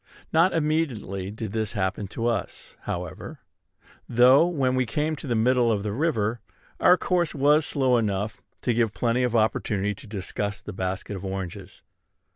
Not immediately did this happen to us, however; though, when we came to the middle of the river, our course was slow enough to give plenty of opportunity to discuss the basket of oranges.